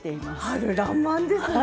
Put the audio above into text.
春らんまんですね！